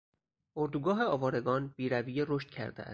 اردوگاه آوارگان بیرویه رشد کرده است.